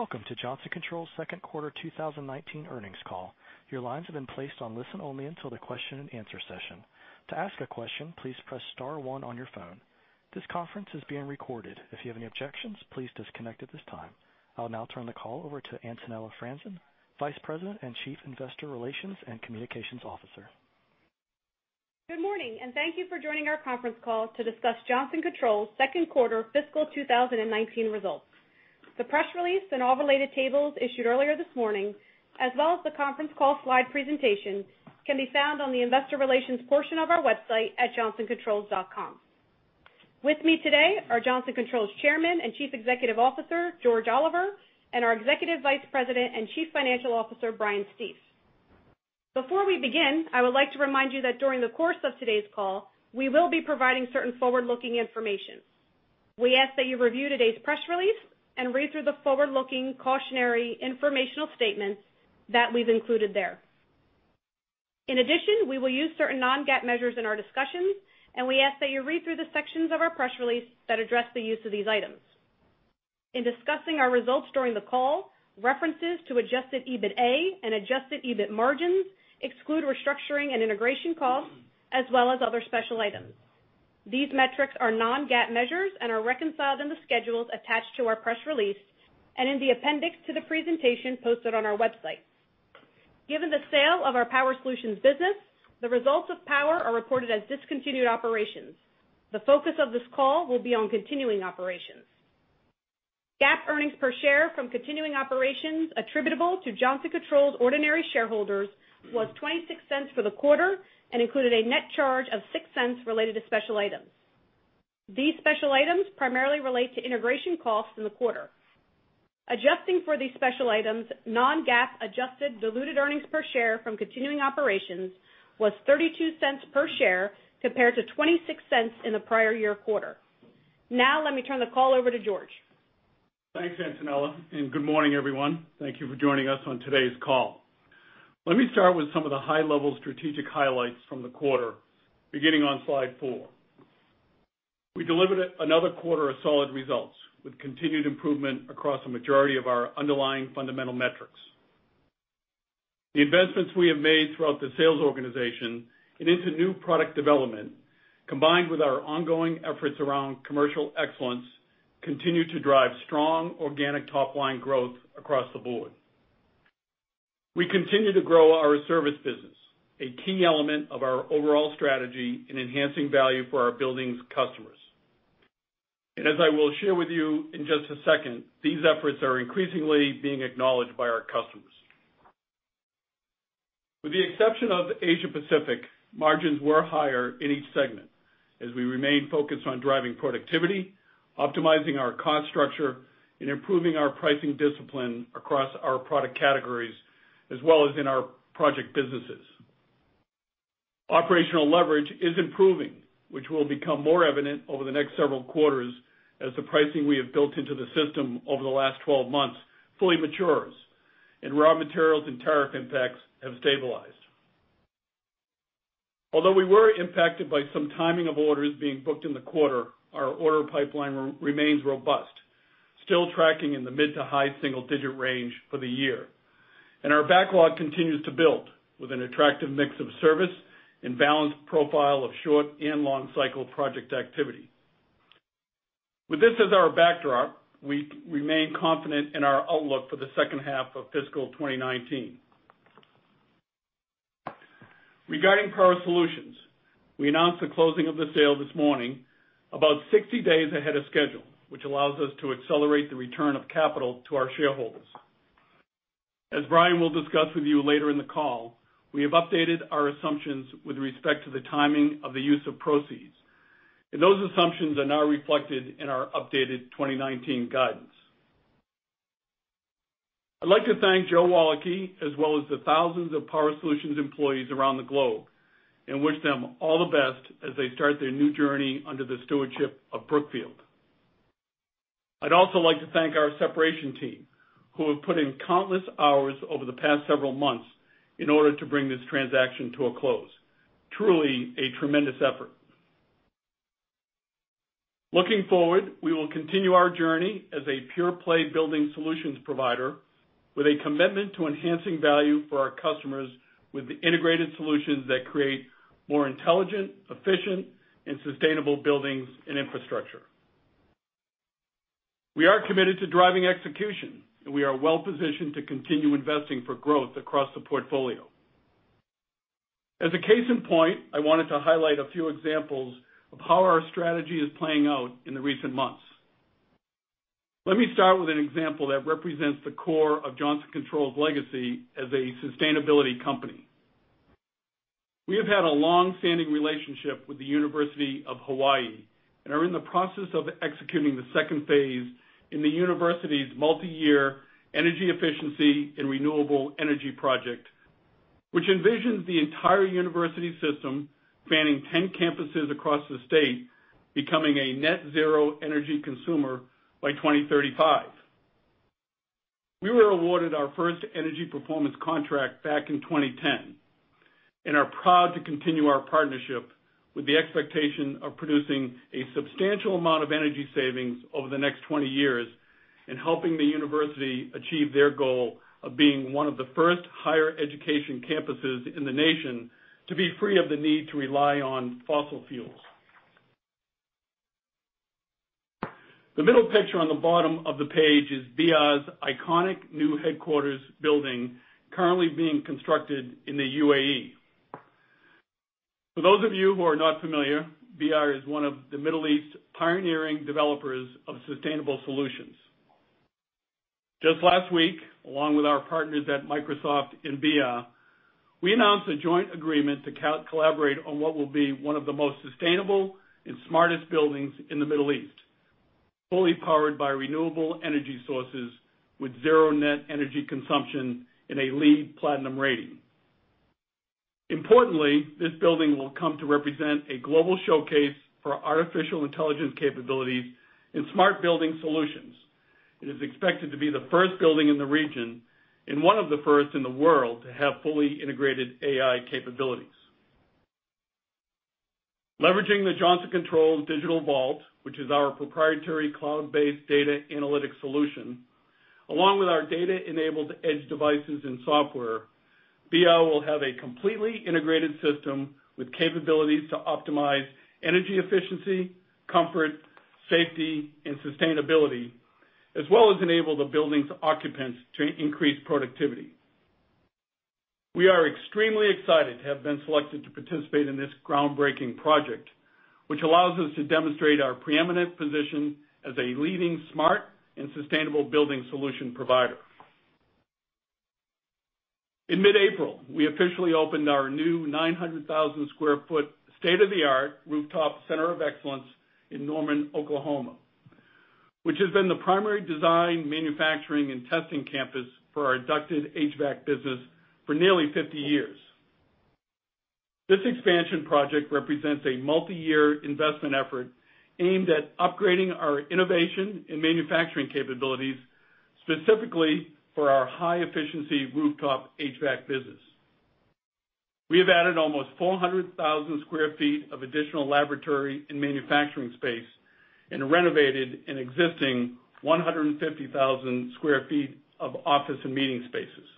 Welcome to Johnson Controls second quarter 2019 earnings call. Your lines have been placed on listen-only until the question and answer session. To ask a question, please press star one on your phone. This conference is being recorded. If you have any objections, please disconnect at this time. I'll now turn the call over to Antonella Franzen, Vice President and Chief Investor Relations and Communications Officer. Good morning, and thank you for joining our conference call to discuss Johnson Controls second quarter fiscal 2019 results. The press release and all related tables issued earlier this morning, as well as the conference call slide presentation, can be found on the investor relations portion of our website at johnsoncontrols.com. With me today are Johnson Controls Chairman and Chief Executive Officer, George Oliver, and our Executive Vice President and Chief Financial Officer, Brian Stief. Before we begin, I would like to remind you that during the course of today's call, we will be providing certain forward-looking information. We ask that you review today's press release and read through the forward-looking cautionary informational statements that we've included there. In addition, we will use certain non-GAAP measures in our discussions, and we ask that you read through the sections of our press release that address the use of these items. In discussing our results during the call, references to adjusted EBITA and adjusted EBIT margins exclude restructuring and integration costs, as well as other special items. These metrics are non-GAAP measures and are reconciled in the schedules attached to our press release and in the appendix to the presentation posted on our website. Given the sale of our Power Solutions business, the results of Power are reported as discontinued operations. The focus of this call will be on continuing operations. GAAP earnings per share from continuing operations attributable to Johnson Controls ordinary shareholders was $0.26 for the quarter and included a net charge of $0.06 related to special items. These special items primarily relate to integration costs in the quarter. Adjusting for these special items, non-GAAP adjusted diluted earnings per share from continuing operations was $0.32 per share compared to $0.26 in the prior year quarter. Now let me turn the call over to George. Thanks, Antonella, good morning, everyone. Thank you for joining us on today's call. Let me start with some of the high-level strategic highlights from the quarter, beginning on slide four. We delivered another quarter of solid results, with continued improvement across the majority of our underlying fundamental metrics. The investments we have made throughout the sales organization and into new product development, combined with our ongoing efforts around commercial excellence, continue to drive strong organic top-line growth across the board. We continue to grow our service business, a key element of our overall strategy in enhancing value for our buildings customers. As I will share with you in just a second, these efforts are increasingly being acknowledged by our customers. With the exception of Asia Pacific, margins were higher in each segment as we remain focused on driving productivity, optimizing our cost structure, and improving our pricing discipline across our product categories, as well as in our project businesses. Operational leverage is improving, which will become more evident over the next several quarters as the pricing we have built into the system over the last 12 months fully matures and raw materials and tariff impacts have stabilized. Although we were impacted by some timing of orders being booked in the quarter, our order pipeline remains robust, still tracking in the mid to high single-digit range for the year. Our backlog continues to build with an attractive mix of service and balanced profile of short and long cycle project activity. With this as our backdrop, we remain confident in our outlook for the second half of fiscal 2019. Regarding Power Solutions, we announced the closing of the sale this morning, about 60 days ahead of schedule, which allows us to accelerate the return of capital to our shareholders. As Brian will discuss with you later in the call, we have updated our assumptions with respect to the timing of the use of proceeds, and those assumptions are now reflected in our updated 2019 guidance. I'd like to thank Joe Walicki, as well as the thousands of Power Solutions employees around the globe and wish them all the best as they start their new journey under the stewardship of Brookfield. I'd also like to thank our separation team, who have put in countless hours over the past several months in order to bring this transaction to a close. Truly a tremendous effort. Looking forward, we will continue our journey as a pure-play building solutions provider with a commitment to enhancing value for our customers with the integrated solutions that create more intelligent, efficient, and sustainable buildings and infrastructure. We are committed to driving execution, we are well-positioned to continue investing for growth across the portfolio. As a case in point, I wanted to highlight a few examples of how our strategy is playing out in the recent months. Let me start with an example that represents the core of Johnson Controls legacy as a sustainability company. We have had a long-standing relationship with the University of Hawaiʻi and are in the process of executing the second phase in the university's multi-year energy efficiency and renewable energy project, which envisions the entire university system, spanning 10 campuses across the state, becoming a net zero energy consumer by 2035. We were awarded our first energy performance contract back in 2010. Are proud to continue our partnership with the expectation of producing a substantial amount of energy savings over the next 20 years, and helping the university achieve their goal of being one of the first higher education campuses in the nation to be free of the need to rely on fossil fuels. The middle picture on the bottom of the page is Bee'ah's iconic new headquarters building currently being constructed in the U.A.E. For those of you who are not familiar, Bee'ah is one of the Middle East's pioneering developers of sustainable solutions. Just last week, along with our partners at Microsoft and Bee'ah, we announced a joint agreement to collaborate on what will be one of the most sustainable and smartest buildings in the Middle East, fully powered by renewable energy sources with zero net energy consumption and a LEED Platinum rating. Importantly, this building will come to represent a global showcase for artificial intelligence capabilities and smart building solutions. It is expected to be the first building in the region, and one of the first in the world, to have fully integrated AI capabilities. Leveraging the Johnson Controls Digital Vault, which is our proprietary cloud-based data analytic solution, along with our data-enabled edge devices and software, Bee'ah will have a completely integrated system with capabilities to optimize energy efficiency, comfort, safety, and sustainability, as well as enable the building's occupants to increase productivity. We are extremely excited to have been selected to participate in this groundbreaking project, which allows us to demonstrate our preeminent position as a leading smart and sustainable building solution provider. In mid-April, we officially opened our new 900,000 sq ft, state-of-the-art rooftop center of excellence in Norman, Oklahoma, which has been the primary design, manufacturing, and testing campus for our ducted HVAC business for nearly 50 years. This expansion project represents a multi-year investment effort aimed at upgrading our innovation and manufacturing capabilities, specifically for our high-efficiency rooftop HVAC business. We have added almost 400,000 sq ft of additional laboratory and manufacturing space, and renovated an existing 150,000 sq ft of office and meeting spaces.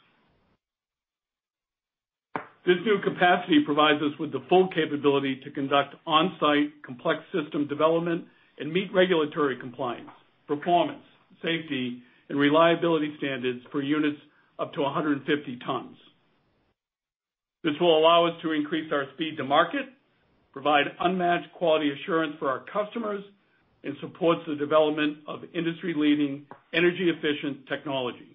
This new capacity provides us with the full capability to conduct on-site complex system development and meet regulatory compliance, performance, safety, and reliability standards for units up to 150 tons. This will allow us to increase our speed to market, provide unmatched quality assurance for our customers, and supports the development of industry-leading energy efficient technology.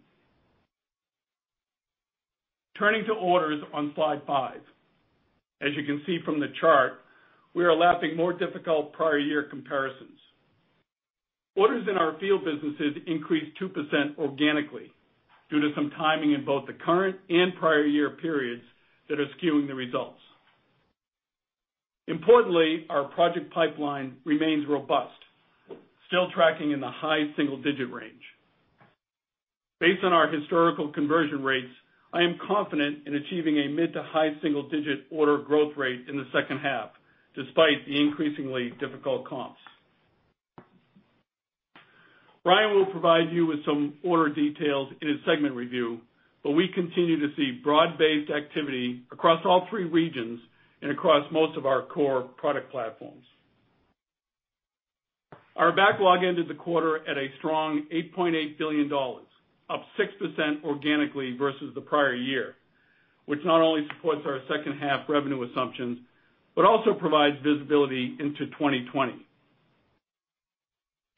Turning to orders on slide five. As you can see from the chart, we are lapping more difficult prior year comparisons. Orders in our field businesses increased 2% organically due to some timing in both the current and prior year periods that are skewing the results. Importantly, our project pipeline remains robust, still tracking in the high single-digit range. Based on our historical conversion rates, I am confident in achieving a mid to high single-digit order growth rate in the second half, despite the increasingly difficult comps. Brian will provide you with some order details in his segment review, but we continue to see broad-based activity across all three regions and across most of our core product platforms. Our backlog ended the quarter at a strong $8.8 billion, up 6% organically versus the prior year, which not only supports our second half revenue assumptions, but also provides visibility into 2020.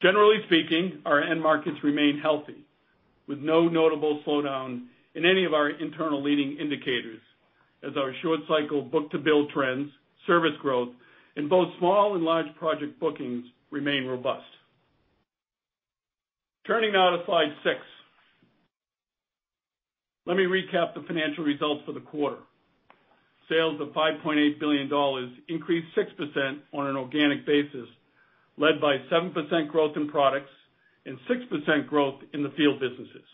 Generally speaking, our end markets remain healthy, with no notable slowdown in any of our internal leading indicators as our short cycle book-to-build trends, service growth in both small and large project bookings remain robust. Turning now to slide six, let me recap the financial results for the quarter. Sales of $5.8 billion increased 6% on an organic basis, led by 7% growth in products and 6% growth in the field businesses.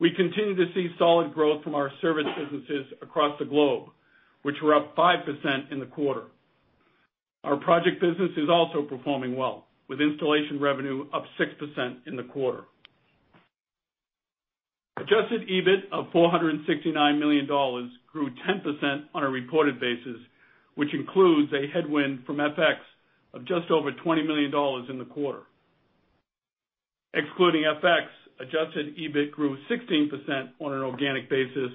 We continue to see solid growth from our service businesses across the globe, which were up 5% in the quarter. Our project business is also performing well with installation revenue up 6% in the quarter. Adjusted EBIT of $469 million grew 10% on a reported basis, which includes a headwind from FX of just over $20 million in the quarter. Excluding FX, adjusted EBIT grew 16% on an organic basis,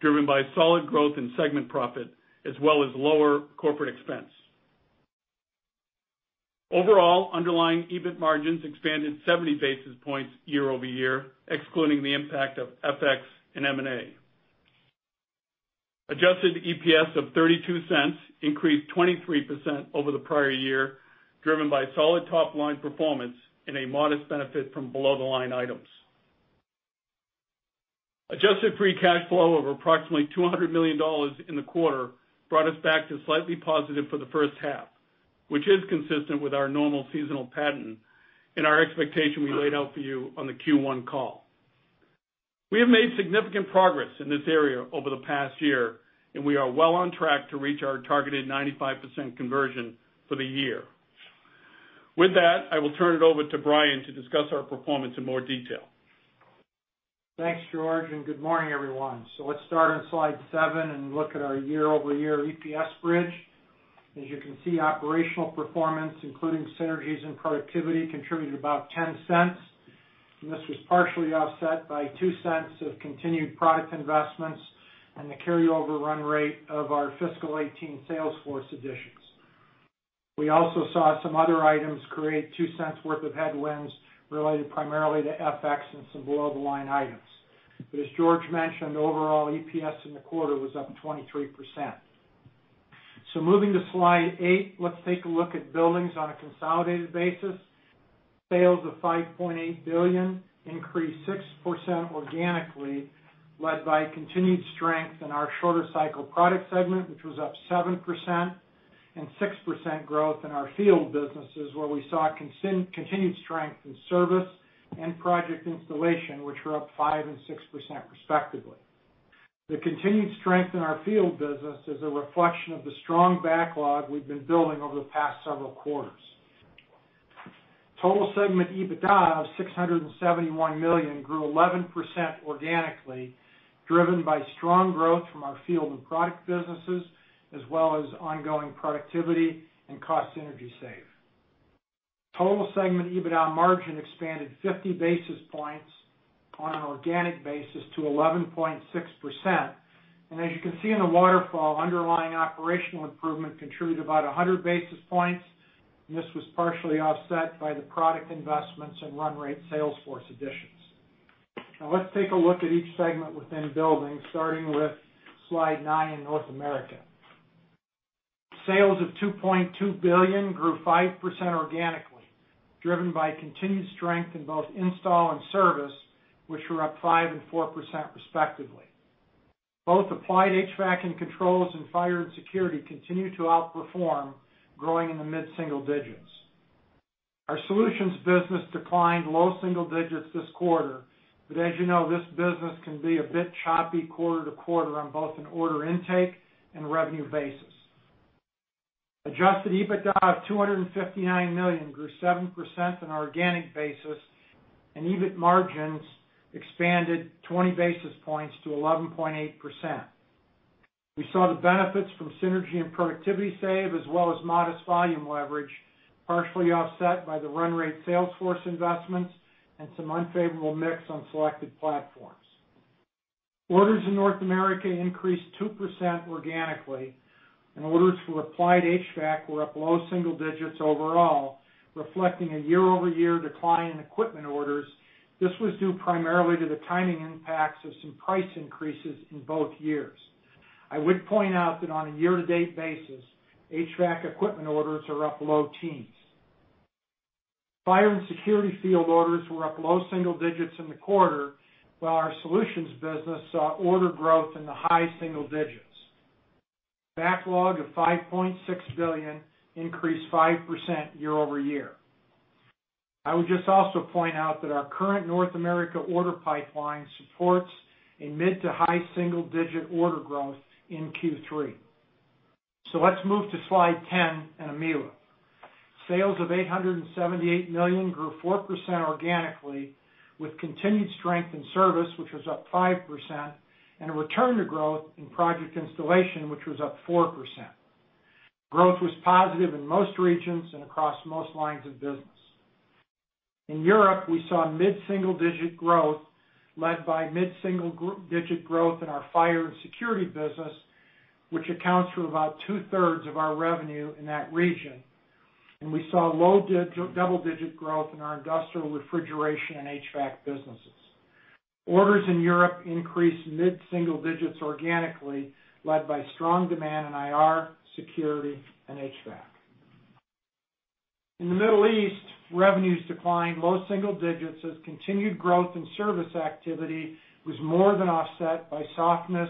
driven by solid growth in segment profit as well as lower corporate expense. Overall, underlying EBIT margins expanded 70 basis points year-over-year, excluding the impact of FX and M&A. Adjusted EPS of $0.32 increased 23% over the prior year, driven by solid top-line performance and a modest benefit from below the line items. Adjusted free cash flow of approximately $200 million in the quarter brought us back to slightly positive for the first half, which is consistent with our normal seasonal pattern and our expectation we laid out for you on the Q1 call. We have made significant progress in this area over the past year, we are well on track to reach our targeted 95% conversion for the year. With that, I will turn it over to Brian to discuss our performance in more detail. Thanks, George, and good morning, everyone. Let's start on slide seven and look at our year-over-year EPS bridge. As you can see, operational performance, including synergies and productivity, contributed about $0.10, this was partially offset by $0.02 of continued product investments and the carryover run rate of our fiscal 2018 sales force additions. We also saw some other items create $0.02 worth of headwinds related primarily to FX and some below-the-line items. As George mentioned, overall EPS in the quarter was up 23%. Moving to slide eight, let's take a look at buildings on a consolidated basis. Sales of $5.8 billion increased 6% organically, led by continued strength in our shorter cycle product segment, which was up 7%, and 6% growth in our field businesses, where we saw continued strength in service and project installation, which were up 5% and 6% respectively. The continued strength in our field business is a reflection of the strong backlog we've been building over the past several quarters. Total segment EBITDA of $671 million grew 11% organically, driven by strong growth from our field and product businesses as well as ongoing productivity and cost synergy save. Total segment EBITDA margin expanded 50 basis points on an organic basis to 11.6%. As you can see in the waterfall, underlying operational improvement contributed about 100 basis points, and this was partially offset by the product investments and run rate sales force additions. Let's take a look at each segment within buildings, starting with slide nine in North America. Sales of $2.2 billion grew 5% organically, driven by continued strength in both install and service, which were up 5% and 4% respectively. Both applied HVAC and controls and fire and security continue to outperform, growing in the mid-single digits. Our solutions business declined low single digits this quarter, but as you know, this business can be a bit choppy quarter-to-quarter on both an order intake and revenue basis. Adjusted EBITDA of $259 million grew 7% on an organic basis, and EBIT margins expanded 20 basis points to 11.8%. We saw the benefits from synergy and productivity save as well as modest volume leverage, partially offset by the run rate sales force investments and some unfavorable mix on selected platforms. Orders in North America increased 2% organically, and orders for applied HVAC were up low single digits overall, reflecting a year-over-year decline in equipment orders. This was due primarily to the timing impacts of some price increases in both years. I would point out that on a year-to-date basis, HVAC equipment orders are up low teens. Fire and security field orders were up low single digits in the quarter, while our solutions business saw order growth in the high single digits. Backlog of $5.6 billion increased 5% year-over-year. I would just also point out that our current North America order pipeline supports a mid to high single-digit order growth in Q3. Let's move to slide 10 and EMEA. Sales of $878 million grew 4% organically, with continued strength in service, which was up 5%, and a return to growth in project installation, which was up 4%. Growth was positive in most regions and across most lines of business. In Europe, we saw mid-single-digit growth led by mid-single-digit growth in our fire and security business, which accounts for about two-thirds of our revenue in that region. We saw low double-digit growth in our industrial refrigeration and HVAC businesses. Orders in Europe increased mid-single digits organically, led by strong demand in IR, security, and HVAC. In the Middle East, revenues declined low single digits as continued growth in service activity was more than offset by softness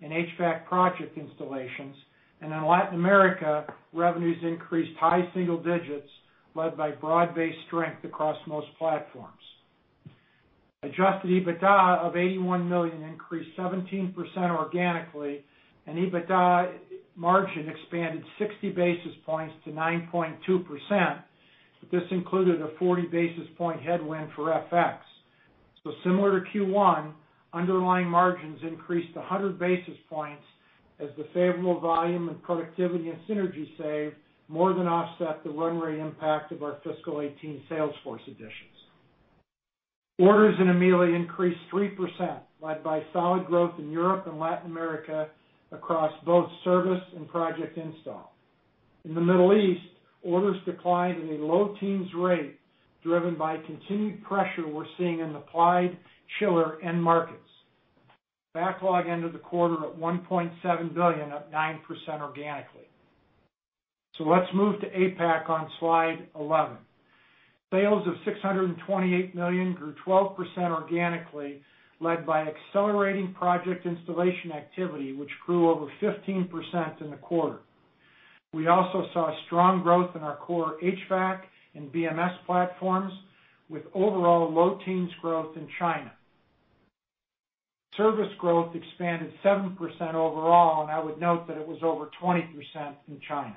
in HVAC project installations. In Latin America, revenues increased high single digits, led by broad-based strength across most platforms. Adjusted EBITDA of $81 million increased 17% organically, and EBITDA margin expanded 60 basis points to 9.2%, this included a 40 basis point headwind for FX. Similar to Q1, underlying margins increased 100 basis points as the favorable volume in productivity and synergy save more than offset the run rate impact of our fiscal 2018 sales force additions. Orders in EMEA increased 3%, led by solid growth in Europe and Latin America across both service and project install. In the Middle East, orders declined at a low teens rate, driven by continued pressure we're seeing in applied chiller end markets. Backlog ended the quarter at $1.7 billion, up 9% organically. Let's move to APAC on slide 11. Sales of $628 million grew 12% organically, led by accelerating project installation activity, which grew over 15% in the quarter. We also saw strong growth in our core HVAC and BMS platforms, with overall low teens growth in China. Service growth expanded 7% overall, and I would note that it was over 20% in China.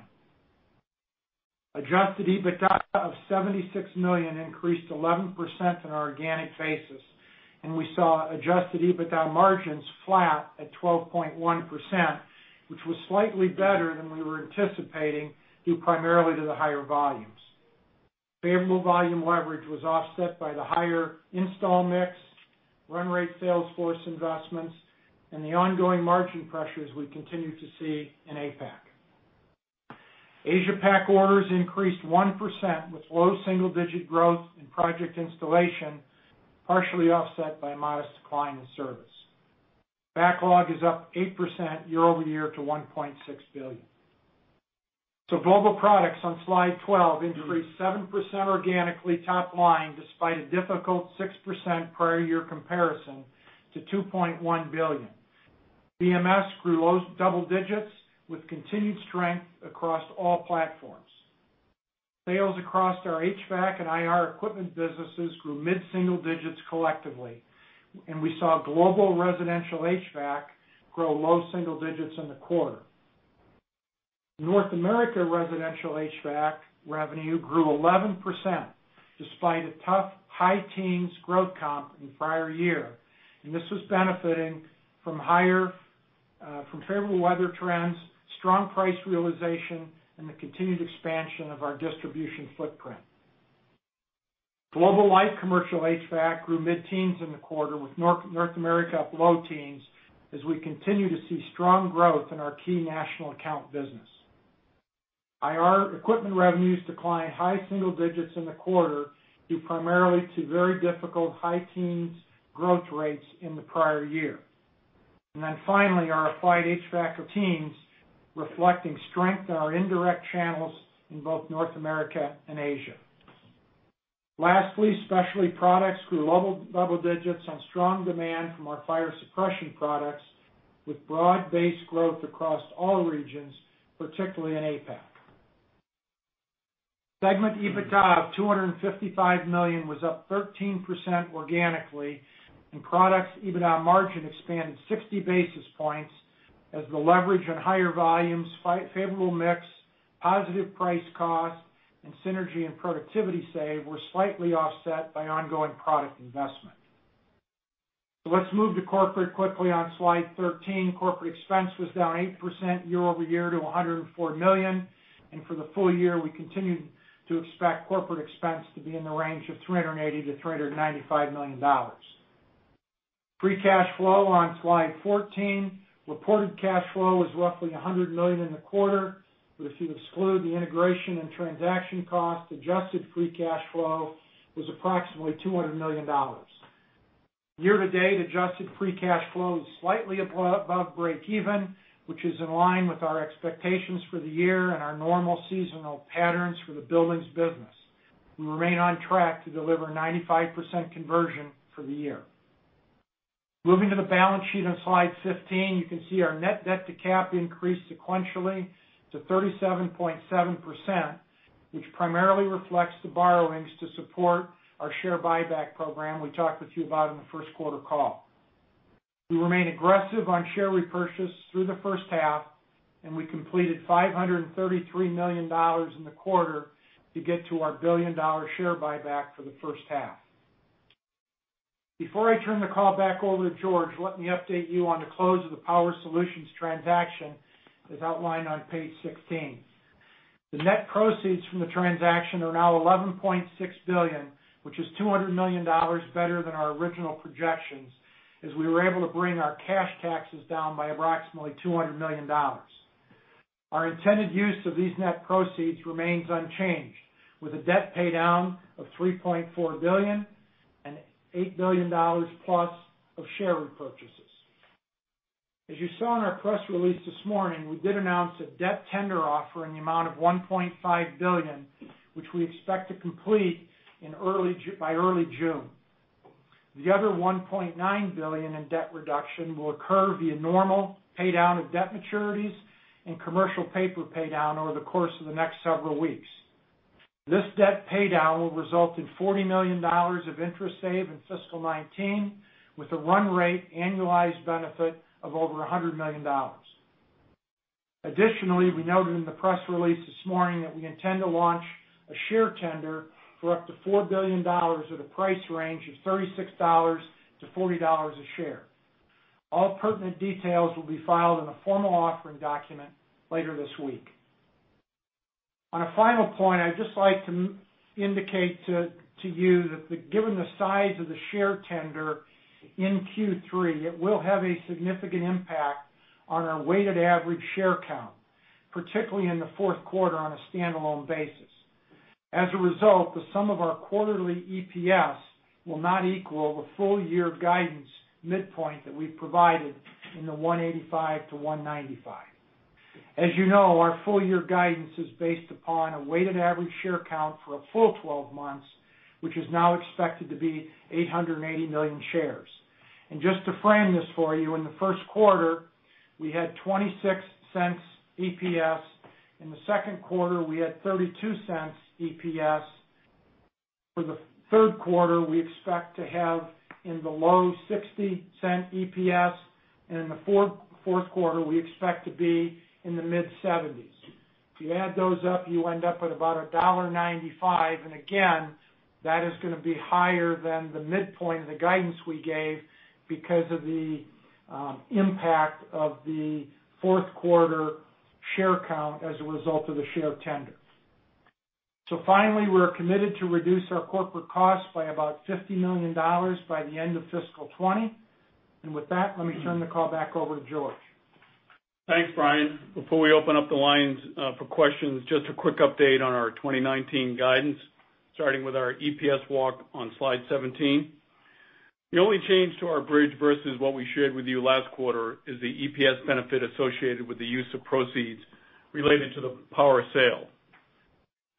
Adjusted EBITDA of $76 million increased 11% on an organic basis, and we saw adjusted EBITDA margins flat at 12.1%, which was slightly better than we were anticipating, due primarily to the higher volumes. Favorable volume leverage was offset by the higher install mix, run rate sales force investments, and the ongoing margin pressures we continue to see in APAC. APAC orders increased 1% with low single-digit growth in project installation, partially offset by a modest decline in service. Backlog is up 8% year-over-year to $1.6 billion. Global Products on slide 12 increased 7% organically top-line despite a difficult 6% prior year comparison to $2.1 billion. BMS grew low double digits with continued strength across all platforms. Sales across our HVAC and IR equipment businesses grew mid-single digits collectively, and we saw global residential HVAC grow low single digits in the quarter. North America residential HVAC revenue grew 11%, despite a tough high teens growth comp in the prior year. This was benefiting from favorable weather trends, strong price realization, and the continued expansion of our distribution footprint. Global light commercial HVAC grew mid-teens in the quarter with North America up low teens as we continue to see strong growth in our key national account business. IR equipment revenues declined high single digits in the quarter due primarily to very difficult high teens growth rates in the prior year. Then finally, our applied HVAC routines reflecting strength in our indirect channels in both North America and Asia. Lastly, specialty products grew double digits on strong demand from our fire suppression products with broad-based growth across all regions, particularly in APAC. Segment EBITDA of $255 million was up 13% organically, and products EBITDA margin expanded 60 basis points as the leverage on higher volumes, favorable mix, positive price cost, and synergy and productivity save were slightly offset by ongoing product investment. Let's move to corporate quickly on slide 13. Corporate expense was down 8% year-over-year to $104 million, and for the full year, we continue to expect corporate expense to be in the range of $380-$395 million. Free cash flow on slide 14. Reported cash flow was roughly $100 million in the quarter. If you exclude the integration and transaction cost, adjusted free cash flow was approximately $200 million. Year-to-date adjusted free cash flow is slightly above break even, which is in line with our expectations for the year and our normal seasonal patterns for the buildings business. We remain on track to deliver 95% conversion for the year. Moving to the balance sheet on slide 15, you can see our net debt to cap increased sequentially to 37.7%, which primarily reflects the borrowings to support our share buyback program we talked with you about in the first quarter call. We remain aggressive on share repurchase through the first half. We completed $533 million in the quarter to get to our billion-dollar share buyback for the first half. Before I turn the call back over to George, let me update you on the close of the Power Solutions transaction, as outlined on page 16. The net proceeds from the transaction are now $11.6 billion, which is $200 million better than our original projections, as we were able to bring our cash taxes down by approximately $200 million. Our intended use of these net proceeds remains unchanged, with a debt paydown of $3.4 billion and $8 billion plus of share repurchases. As you saw in our press release this morning, we did announce a debt tender offer in the amount of $1.5 billion, which we expect to complete by early June. The other $1.9 billion in debt reduction will occur via normal paydown of debt maturities and commercial paper paydown over the course of the next several weeks. This debt paydown will result in $40 million of interest save in fiscal 2019 with a run rate annualized benefit of over $100 million. Additionally, we noted in the press release this morning that we intend to launch a share tender for up to $4 billion at a price range of $36-$40 a share. All pertinent details will be filed in a formal offering document later this week. On a final point, I'd just like to indicate to you that given the size of the share tender in Q3, it will have a significant impact on our weighted average share count, particularly in the fourth quarter on a standalone basis. As a result, the sum of our quarterly EPS will not equal the full-year guidance midpoint that we've provided in the $185-$195. As you know, our full year guidance is based upon a weighted average share count for a full 12 months, which is now expected to be 880 million shares. Just to frame this for you, in the first quarter, we had $0.26 EPS. In the second quarter, we had $0.32 EPS. For the third quarter, we expect to have in the low $0.60 EPS. In the fourth quarter, we expect to be in the mid $0.70s. If you add those up, you end up with about $1.95. Again, that is going to be higher than the midpoint of the guidance we gave because of the impact of the fourth quarter share count as a result of the share tender. Finally, we're committed to reduce our corporate costs by about $50 million by the end of fiscal 2020. With that, let me turn the call back over to George. Thanks, Brian. Before we open up the lines for questions, just a quick update on our 2019 guidance, starting with our EPS walk on slide 17. The only change to our bridge versus what we shared with you last quarter is the EPS benefit associated with the use of proceeds related to the Power sale.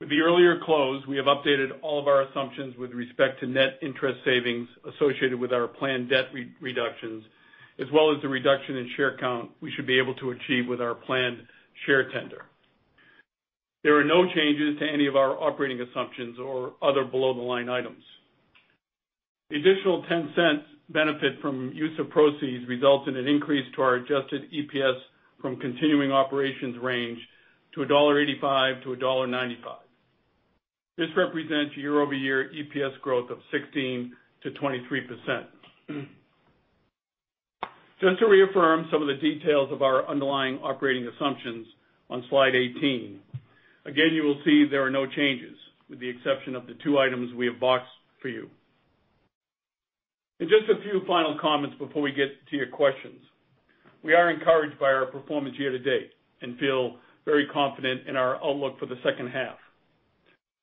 With the earlier close, we have updated all of our assumptions with respect to net interest savings associated with our planned debt reductions as well as the reduction in share count we should be able to achieve with our planned share tender. There are no changes to any of our operating assumptions or other below-the-line items. The additional $0.10 benefit from use of proceeds results in an increase to our adjusted EPS from continuing operations range to $1.85-$1.95. This represents year-over-year EPS growth of 16%-23%. Just to reaffirm some of the details of our underlying operating assumptions on Slide 18. Again, you will see there are no changes with the exception of the two items we have boxed for you. Just a few final comments before we get to your questions. We are encouraged by our performance year to date and feel very confident in our outlook for the second half.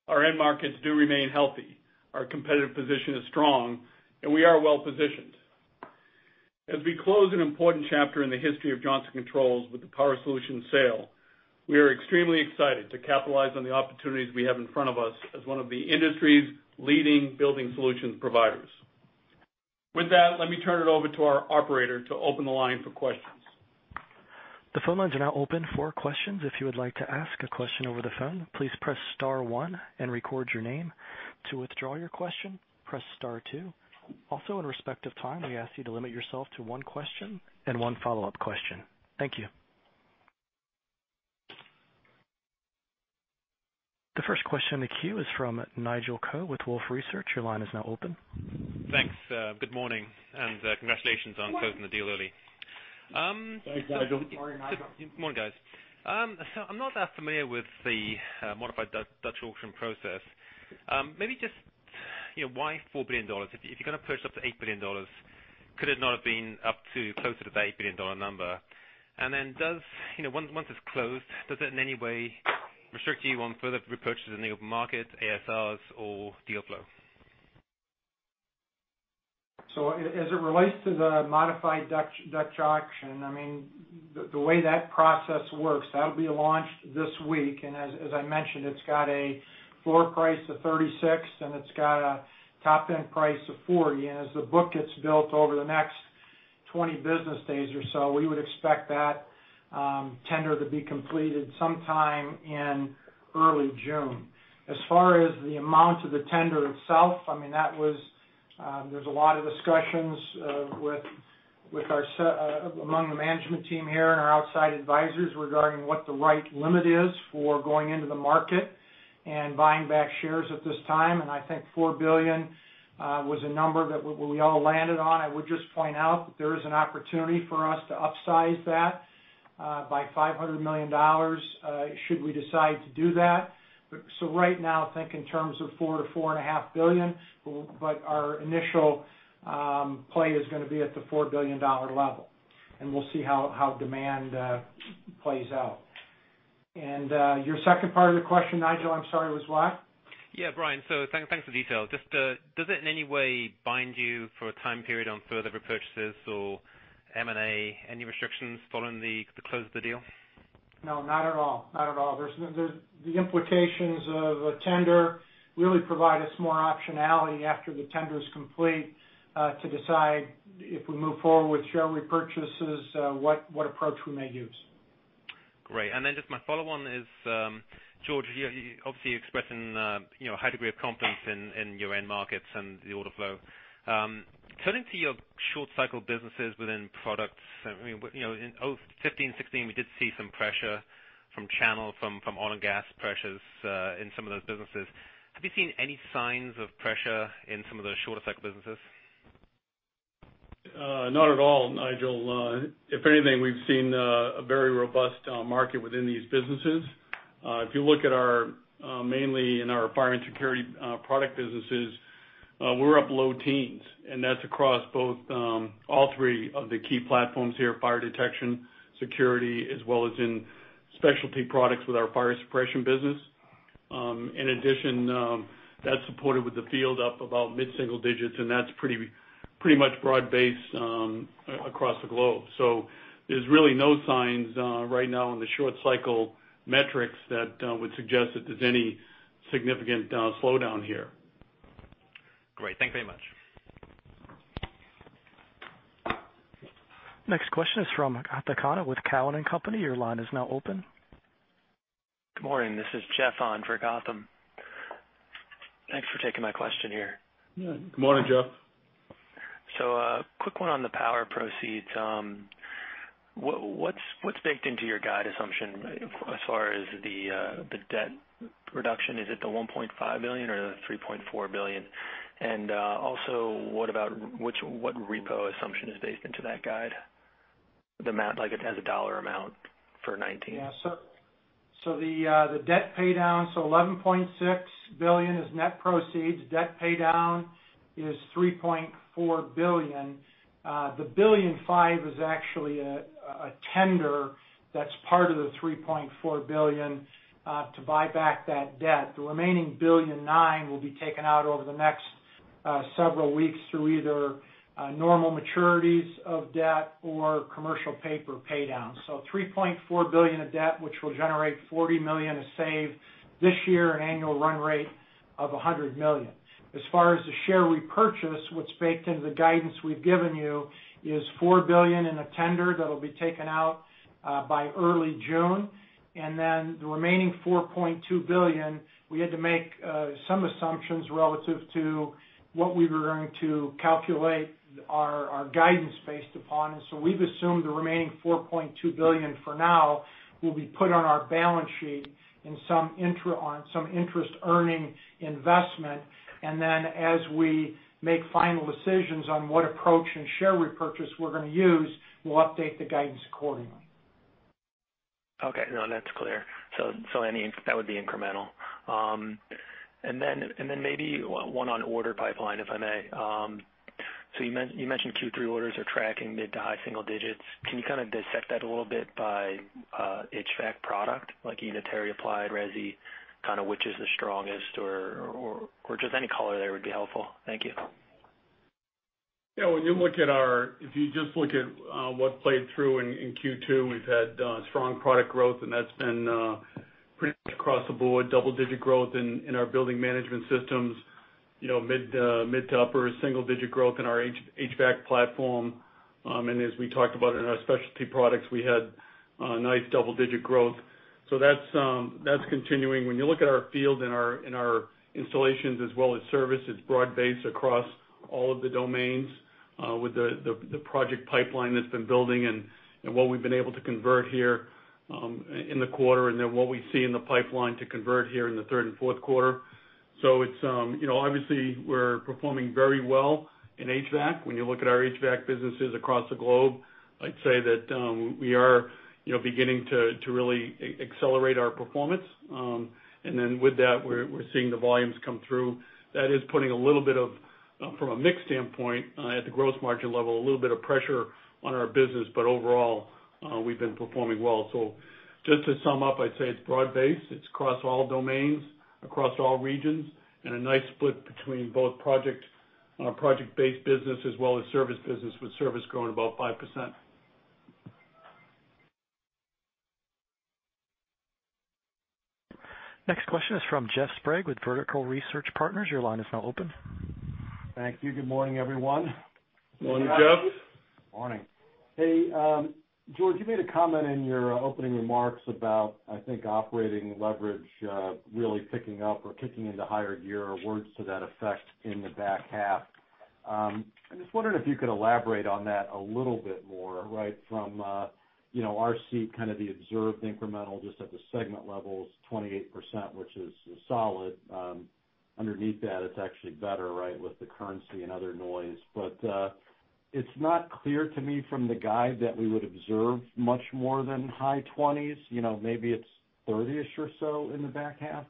Our end markets do remain healthy. Our competitive position is strong, and we are well-positioned. As we close an important chapter in the history of Johnson Controls with the Power Solutions sale, we are extremely excited to capitalize on the opportunities we have in front of us as one of the industry's leading building solutions providers. With that, let me turn it over to our operator to open the line for questions. The phone lines are now open for questions. If you would like to ask a question over the phone, please press star one and record your name. To withdraw your question, press star two. Also, in respect of time, we ask you to limit yourself to one question and one follow-up question. Thank you. The first question in the queue is from Nigel Coe with Wolfe Research. Your line is now open. Thanks. Good morning, congratulations on closing the deal early. Thanks, Nigel. Good morning, Nigel. Morning, guys. I'm not that familiar with the modified Dutch auction process. Maybe just why $4 billion? If you're going to purchase up to $8 billion, could it not have been up to closer to the $8 billion number? Then once it's closed, does it in any way restrict you on further repurchases in the open market, ASRs or deal flow? As it relates to the modified Dutch auction, the way that process works, that'll be launched this week. As I mentioned, it's got a floor price of $36, it's got a top-end price of $40, as the book gets built over the next 20 business days or so, we would expect that tender to be completed sometime in early June. As far as the amount of the tender itself, there's a lot of discussions among the management team here and our outside advisors regarding what the right limit is for going into the market and buying back shares at this time. I think $4 billion was a number that we all landed on. I would just point out that there is an opportunity for us to upsize that by $500 million, should we decide to do that. Right now, think in terms of $4 billion-$4.5 billion, but our initial play is going to be at the $4 billion level, and we'll see how demand plays out. Your second part of the question, Nigel, I'm sorry, was what? Yeah, Brian. Thanks for the detail. Just does it in any way bind you for a time period on further repurchases or M&A? Any restrictions following the close of the deal? No, not at all. The implications of a tender really provide us more optionality after the tender is complete to decide if we move forward with share repurchases, what approach we may use. Great. Just my follow-on is, George, you're obviously expressing a high degree of confidence in your end markets and the order flow. Turning to your short cycle businesses within products, in 2015, 2016, we did see some pressure from channel, from oil and gas pressures in some of those businesses. Have you seen any signs of pressure in some of those shorter cycle businesses? Not at all, Nigel. If anything, we've seen a very robust market within these businesses. If you look mainly in our fire and security product businesses, we're up low teens, and that's across all three of the key platforms here, fire detection, security, as well as in specialty products with our fire suppression business. That's supported with the field up about mid-single digits, and that's pretty much broad-based across the globe. There's really no signs right now in the short cycle metrics that would suggest that there's any significant slowdown here. Great. Thank you very much. Next question is from Gautam Khanna with Cowen & Co. Your line is now open. Good morning. This is Jeff on for Gautam. Thanks for taking my question here. Good morning, Jeff. A quick one on the power proceeds. What's baked into your guide assumption as far as the debt reduction? Is it the $1.5 billion or the $3.4 billion? Also, what repo assumption is baked into that guide? The amount, like as a dollar amount for 2019. The debt paydown, $11.6 billion is net proceeds. Debt paydown is $3.4 billion. The $1.5 billion is actually a tender that's part of the $3.4 billion to buy back that debt. The remaining $1.9 billion will be taken out over the next several weeks through either normal maturities of debt or commercial paper paydown. $3.4 billion of debt, which will generate $40 million of save this year, an annual run rate of $100 million. As far as the share repurchase, what's baked into the guidance we've given you is $4 billion in a tender that'll be taken out by early June. Then the remaining $4.2 billion, we had to make some assumptions relative to what we were going to calculate our guidance based upon. We've assumed the remaining $4.2 billion for now will be put on our balance sheet on some interest-earning investment. Then as we make final decisions on what approach and share repurchase we're going to use, we'll update the guidance accordingly. Okay. No, that's clear. That would be incremental. Maybe one on order pipeline, if I may. You mentioned Q3 orders are tracking mid to high single digits. Can you kind of dissect that a little bit by HVAC product, like either Terry applied, resi, kind of which is the strongest, or just any color there would be helpful. Thank you. Yeah. If you just look at what played through in Q2, we've had strong product growth, that's been pretty much across the board, double-digit growth in our building management systems, mid to upper single-digit growth in our HVAC platform. As we talked about in our specialty products, we had a nice double-digit growth. That's continuing. When you look at our field and our installations as well as service, it's broad-based across all of the domains, with the project pipeline that's been building and what we've been able to convert here in the quarter, what we see in the pipeline to convert here in the third and fourth quarter. Obviously, we're performing very well in HVAC. When you look at our HVAC businesses across the globe, I'd say that we are beginning to really accelerate our performance. With that, we're seeing the volumes come through. That is putting a little bit of, from a mix standpoint at the gross margin level, a little bit of pressure on our business. Overall, we've been performing well. Just to sum up, I'd say it's broad based. It's across all domains, across all regions, and a nice split between both project-based business as well as service business, with service growing about 5%. Next question is from Jeffrey Sprague with Vertical Research Partners. Your line is now open. Thank you. Good morning, everyone. Morning, Jeff. Morning. Hey, George, you made a comment in your opening remarks about, I think, operating leverage really picking up or kicking into higher gear, or words to that effect in the back half. I'm just wondering if you could elaborate on that a little bit more, right from our seat, kind of the observed incremental, just at the segment level is 28%, which is solid. Underneath that, it's actually better, right, with the currency and other noise. It's not clear to me from the guide that we would observe much more than high 20s. Maybe it's 30-ish or so in the back half.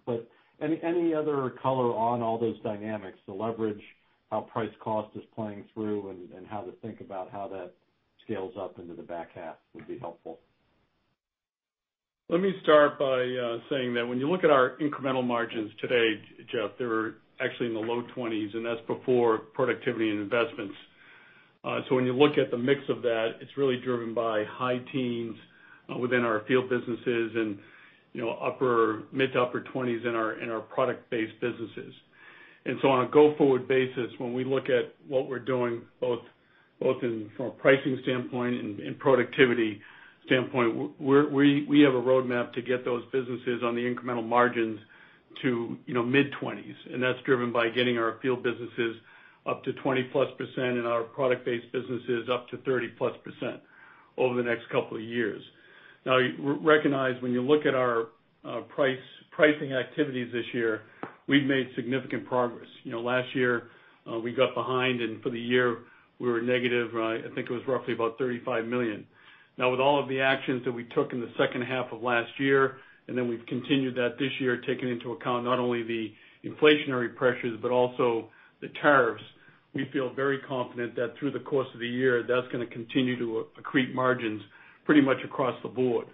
Any other color on all those dynamics, the leverage, how price cost is playing through, and how to think about how that scales up into the back half would be helpful. Let me start by saying that when you look at our incremental margins today, Jeff, they were actually in the low 20s, and that's before productivity and investments. When you look at the mix of that, it's really driven by high teens within our field businesses and mid to upper 20s in our product-based businesses. On a go-forward basis, when we look at what we're doing, both from a pricing standpoint and productivity standpoint, we have a roadmap to get those businesses on the incremental margins to mid-20s. That's driven by getting our field businesses up to 20-plus% and our product-based businesses up to 30-plus% over the next couple of years. Now, recognize when you look at our pricing activities this year, we've made significant progress. Last year, we got behind, for the year, we were negative, I think it was roughly about $35 million. With all of the actions that we took in the second half of last year, we've continued that this year, taking into account not only the inflationary pressures but also the tariffs. We feel very confident that through the course of the year, that's going to continue to accrete margins pretty much across the board,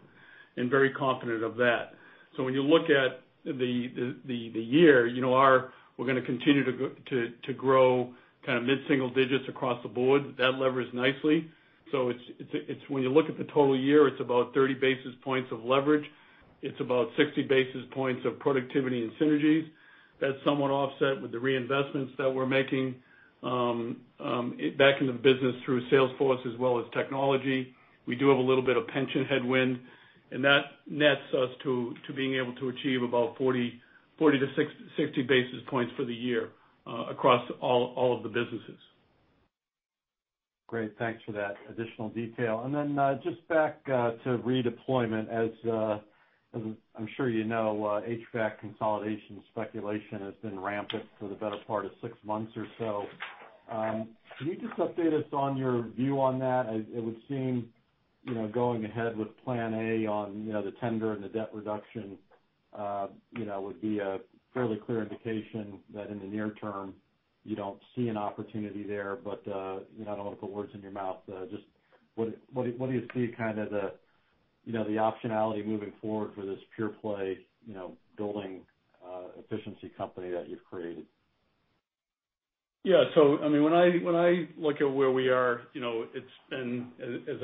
very confident of that. When you look at the year, we're going to continue to grow mid-single digits across the board. That levers nicely. When you look at the total year, it's about 30 basis points of leverage. It's about 60 basis points of productivity and synergies. That's somewhat offset with the reinvestments that we're making back in the business through salesforce as well as technology. We do have a little bit of pension headwind, that nets us to being able to achieve about 40 to 60 basis points for the year across all of the businesses. Great. Thanks for that additional detail. Then just back to redeployment, as I'm sure you know, HVAC consolidation speculation has been rampant for the better part of 6 months or so. Can you just update us on your view on that? It would seem, going ahead with Plan A on the tender and the debt reduction, would be a fairly clear indication that in the near term, you don't see an opportunity there. I don't want to put words in your mouth. Just what do you see the optionality moving forward for this pure play building efficiency company that you've created? When I look at where we are, as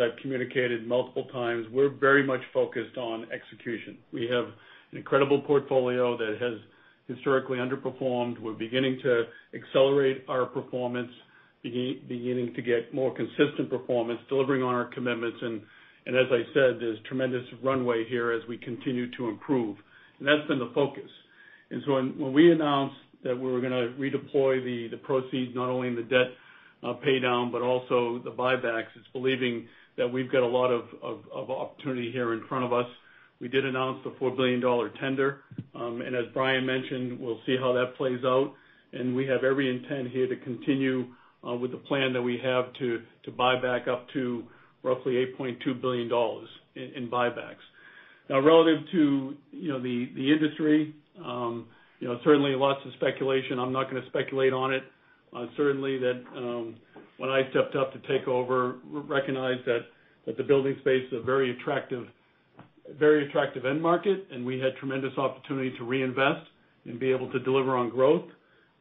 I've communicated multiple times, we're very much focused on execution. We have an incredible portfolio that has historically underperformed. We're beginning to accelerate our performance, beginning to get more consistent performance, delivering on our commitments, as I said, there's tremendous runway here as we continue to improve. That's been the focus. When we announced that we were going to redeploy the proceeds, not only in the debt pay down, but also the buybacks, it's believing that we've got a lot of opportunity here in front of us. We did announce the $4 billion tender. As Brian mentioned, we'll see how that plays out, we have every intent here to continue with the plan that we have to buy back up to roughly $8.2 billion in buybacks. Relative to the industry, certainly lots of speculation. I'm not going to speculate on it. Certainly when I stepped up to take over, recognized that the building space is a very attractive end market, and we had tremendous opportunity to reinvest and be able to deliver on growth.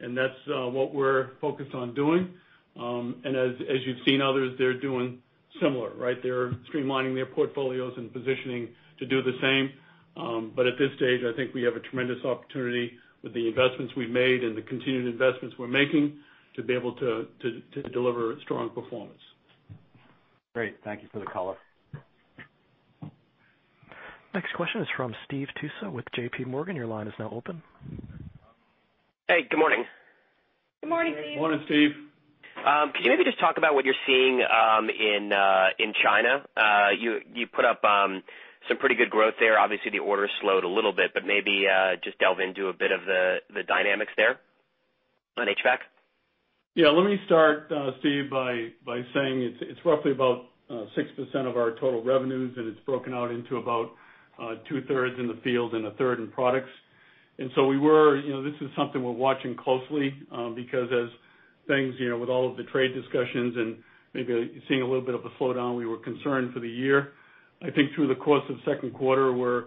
That's what we're focused on doing. As you've seen others, they're doing similar, right? They're streamlining their portfolios and positioning to do the same. At this stage, I think we have a tremendous opportunity with the investments we've made and the continued investments we're making to be able to deliver strong performance. Great. Thank you for the color. Next question is from Steve Tusa with JPMorgan. Your line is now open. Hey, good morning. Good morning, Steve. Morning, Steve. Could you maybe just talk about what you're seeing in China? You put up some pretty good growth there. Obviously, the orders slowed a little bit, maybe just delve into a bit of the dynamics there on HVAC. Let me start, Steve, by saying it's roughly about 6% of our total revenues, and it's broken out into about two-thirds in the field and a third in products. This is something we're watching closely, because as things, with all of the trade discussions and maybe seeing a little bit of a slowdown, we were concerned for the year. I think through the course of the second quarter, we're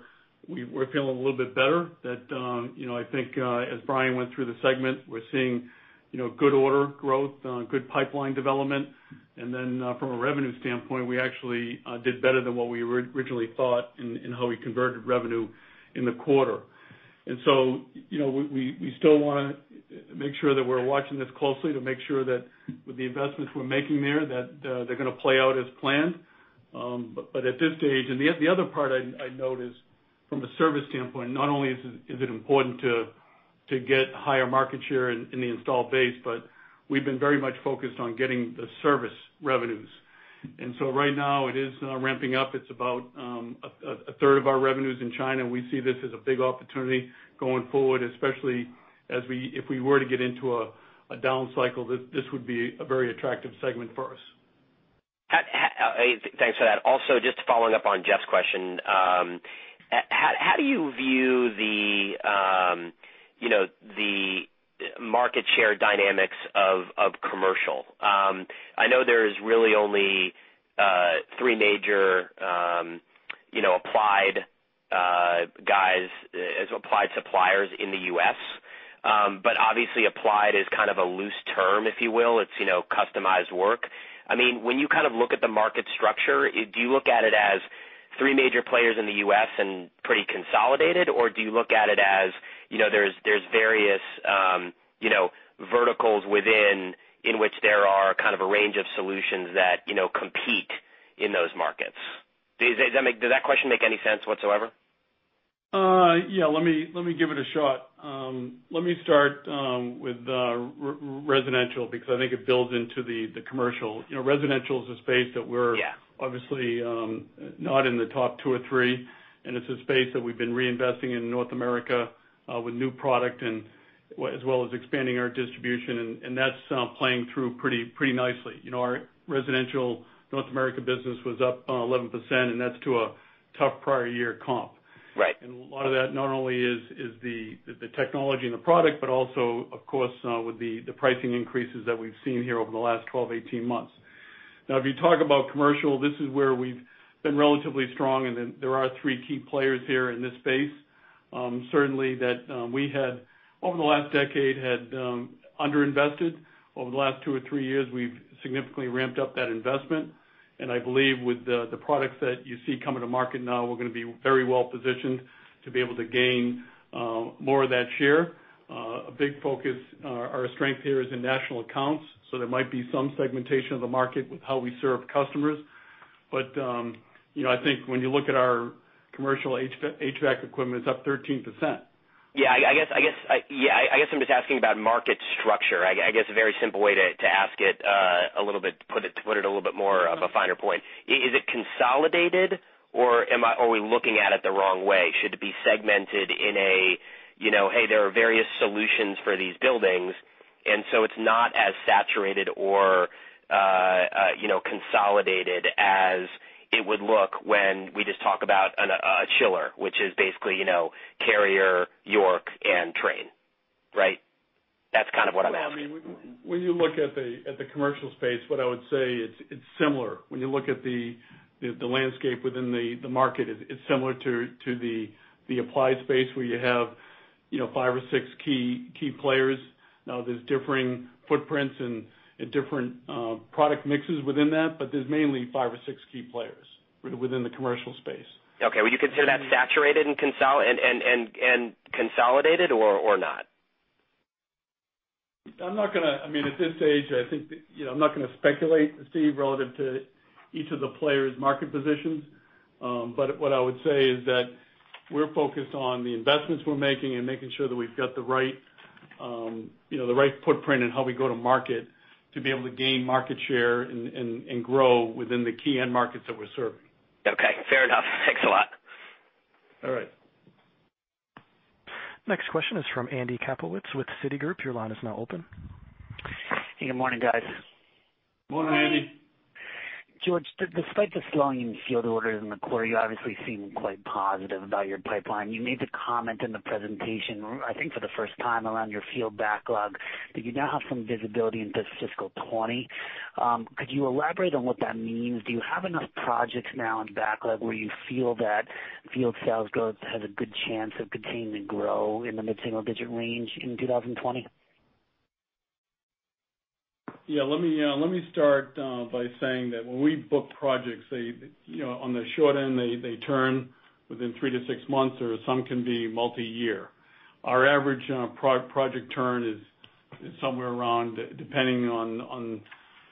feeling a little bit better that, I think as Brian went through the segment, we're seeing good order growth, good pipeline development, and then from a revenue standpoint, we actually did better than what we originally thought in how we converted revenue in the quarter. We still want to make sure that we're watching this closely to make sure that with the investments we're making there, that they're going to play out as planned. At this stage, the other part I'd note is from a service standpoint, not only is it important to get higher market share in the installed base, but we've been very much focused on getting the service revenues. Right now it is ramping up. It's about a third of our revenues in China. We see this as a big opportunity going forward, especially if we were to get into a down cycle, this would be a very attractive segment for us. Thanks for that. Also, just following up on Jeff's question. How do you view the market share dynamics of commercial? I know there's really only three major applied suppliers in the U.S. Obviously applied is kind of a loose term, if you will. It's customized work. When you look at the market structure, do you look at it as three major players in the U.S. and pretty consolidated, or do you look at it as there's various verticals within which there are kind of a range of solutions that compete in those markets? Does that question make any sense whatsoever? Yeah. Let me give it a shot. Let me start with residential, because I think it builds into the commercial. Residential is a space that Yeah Obviously, not in the top two or three, it's a space that we've been reinvesting in North America, with new product as well as expanding our distribution, that's playing through pretty nicely. Our residential North America business was up 11%, that's to a tough prior year comp. Right A lot of that not only is the technology and the product, but also, of course, with the pricing increases that we've seen here over the last 12, 18 months. If you talk about commercial, this is where we've been relatively strong, and then there are three key players here in this space. Certainly, that we had, over the last decade, had under-invested. Over the last two or three years, we've significantly ramped up that investment, and I believe with the products that you see coming to market now, we're going to be very well-positioned to be able to gain more of that share. A big focus, our strength here is in national accounts, so there might be some segmentation of the market with how we serve customers. I think when you look at our commercial HVAC equipment, it's up 13%. Yeah. I guess I'm just asking about market structure. I guess a very simple way to ask it, to put it a little bit more of a finer point, is it consolidated or are we looking at it the wrong way? Should it be segmented in a, "Hey, there are various solutions for these buildings," and so it's not as saturated or consolidated as it would look when we just talk about a chiller, which is basically Carrier, York, and Trane, right? That's kind of what I'm asking. When you look at the commercial space, what I would say it's similar. When you look at the landscape within the market, it's similar to the applied space where you have five or six key players. There's differing footprints and different product mixes within that, but there's mainly five or six key players within the commercial space. Okay. Would you consider that saturated and consolidated or not? At this stage, I think I'm not going to speculate, Steve, relative to each of the players' market positions. What I would say is that we're focused on the investments we're making and making sure that we've got the right footprint in how we go to market to be able to gain market share and grow within the key end markets that we're serving. Okay. Fair enough. Thanks a lot. All right. Next question is from Andrew Kaplowitz with Citigroup. Your line is now open. Hey, good morning, guys. Morning, Andy. George, despite the slowing in field orders in the quarter, you obviously seem quite positive about your pipeline. You made the comment in the presentation, I think for the first time, around your field backlog that you now have some visibility into fiscal 2020. Could you elaborate on what that means? Do you have enough projects now in backlog where you feel that field sales growth has a good chance of continuing to grow in the mid-single digit range in 2020? Yeah. Let me start by saying that when we book projects, on the short end, they turn within three to six months, or some can be multi-year. Our average project turn is somewhere around, depending on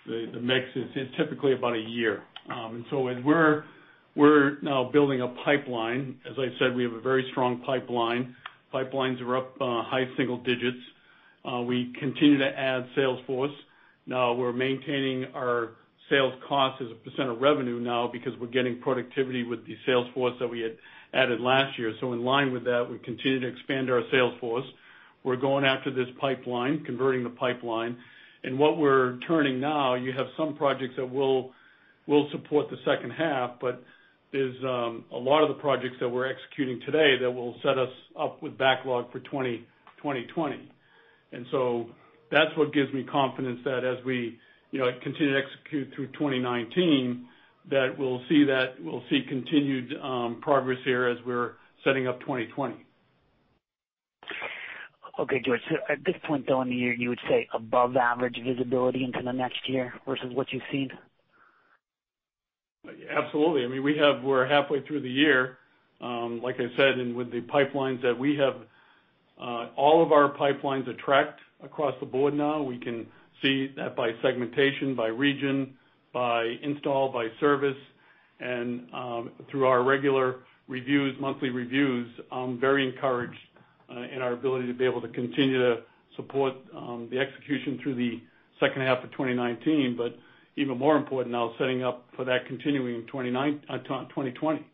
the mix, it's typically about a year. As we're now building a pipeline, as I said, we have a very strong pipeline. Pipelines are up high single digits. We continue to add sales force. Now, we're maintaining our sales cost as a % of revenue now because we're getting productivity with the sales force that we had added last year. In line with that, we continue to expand our sales force. We're going after this pipeline, converting the pipeline. What we're turning now, you have some projects that will support the second half, but there's a lot of the projects that we're executing today that will set us up with backlog for 2020. That's what gives me confidence that as we continue to execute through 2019, that we'll see continued progress here as we're setting up 2020. Okay, George. At this point, though, in the year, you would say above average visibility into the next year versus what you've seen? Absolutely. We're halfway through the year, like I said, with the pipelines that we have, all of our pipelines are tracked across the board now. We can see that by segmentation, by region, by install, by service, through our regular reviews, monthly reviews. I'm very encouraged in our ability to be able to continue to support the execution through the second half of 2019, but even more important now is setting up for that continuing in 2020.